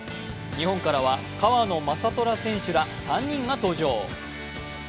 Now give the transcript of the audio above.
日本からは川野将虎選手ら３人が登場。